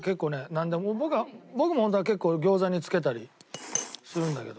なんでも僕も本当は結構餃子につけたりするんだけど。